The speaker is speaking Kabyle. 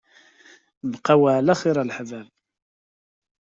Bqaw ɛla xir a leḥbab.